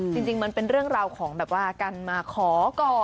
จริงมันเป็นเรื่องราวของแบบว่าการมาขอก่อน